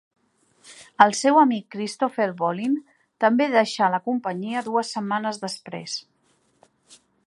El seu amic Christopher Bolin també deixà la companyia dues setmanes després.